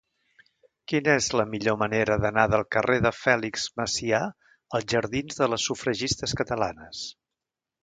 Quina és la millor manera d'anar del carrer de Fèlix Macià als jardins de les Sufragistes Catalanes?